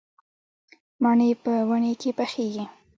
مڼې په ونې کې پخېږي